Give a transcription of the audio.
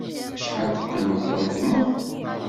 Acḥal teqqimeḍ akken tuḍneḍ?